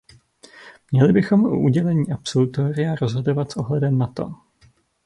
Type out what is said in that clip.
Měli bychom o udělení absolutoria rozhodovat s ohledem na to.